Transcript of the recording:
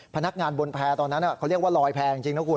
พนักงานบนแพร่ตอนนั้นเขาเรียกว่าลอยแพรจริงนะคุณ